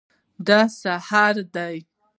دا صحرا ده